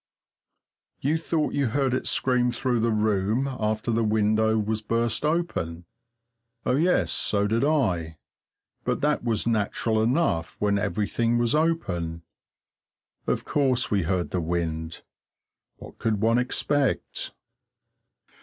You thought you heard it scream through the room after the window was burst open? Oh yes, so did I, but that was natural enough when everything was open. Of course we heard the wind. What could one expect?